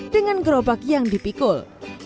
dengan gerobak yang dipikul